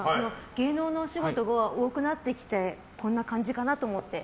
芸能のお仕事が多くなってきてこんな感じかなと思って。